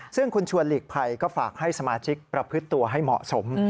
ซึ่งคุณชวนหลีกภัยก็ฝากให้สมาชิกประพฤติตัวให้เหมาะสม